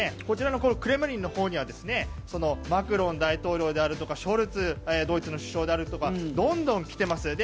こちらのクレムリンのほうにはマクロン大統領であるとかショルツドイツの首相であるとかどんどん来てます。